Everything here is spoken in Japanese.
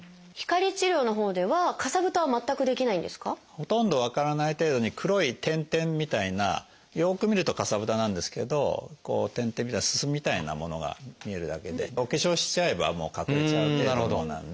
ほとんど分からない程度に黒い点々みたいなよく見るとかさぶたなんですけど点々みたいなすすみたいなものが見えるだけでお化粧しちゃえば隠れちゃう程度のものなんで。